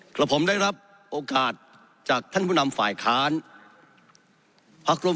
กับผมได้รับโอกาสจากท่านผู้นำฝ่ายค้านพักร่วม